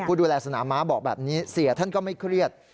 ผู้ดูแลสนามม้าบอกแบบนี้เสียท่านก็ไม่เครียด